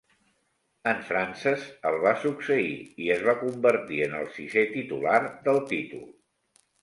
En Frances el va succeir i es va convertir en el sisè titular del títol.